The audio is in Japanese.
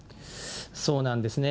そうなんですね。